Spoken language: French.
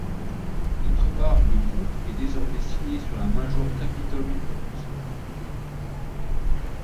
D'autre part, le groupe est désormais signé sur la major Capitol Records.